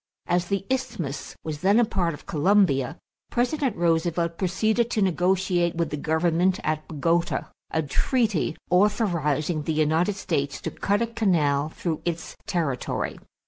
As the isthmus was then a part of Colombia, President Roosevelt proceeded to negotiate with the government at Bogota a treaty authorizing the United States to cut a canal through its territory.